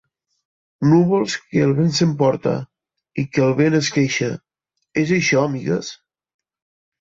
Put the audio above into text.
Núvols que el vent s'emporta i que el vent esqueixa; és això, amigues?